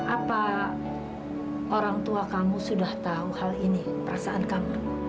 apa orang tua kamu sudah tahu hal ini perasaan kamu